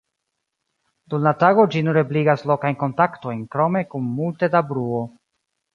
Dum la tago ĝi nur ebligas lokajn kontaktojn krome kun multe da bruo.